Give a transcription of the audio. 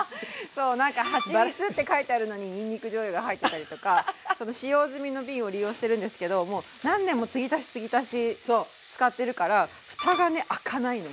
そうなんかはちみつって書いてあるのににんにくじょうゆが入ってたりとか使用済みの瓶を利用してるんですけどもう何年も継ぎ足し継ぎ足し使ってるからフタがね開かないの。